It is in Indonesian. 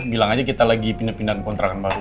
bilang aja kita lagi pindah pindah ke kontrakan baru gitu